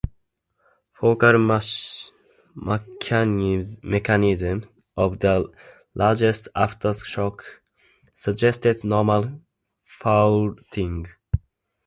Focal mechanism of the largest aftershock suggested normal faulting.